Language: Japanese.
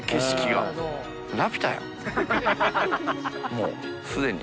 もうすでに。